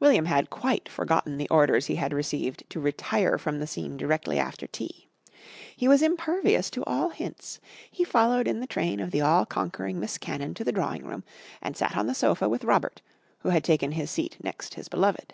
William had quite forgotten the orders he had received to retire from the scene directly after tea. He was impervious to all hints. He followed in the train of the all conquering Miss Cannon to the drawing room and sat on the sofa with Robert who had taken his seat next his beloved.